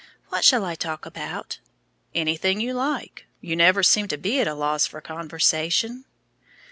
"What shall I talk about?" "Anything you like. You never seem to be at a loss for conversation."